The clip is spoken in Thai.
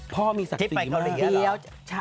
พ่อมีศักดิ์ภาคเกาหลีหรอ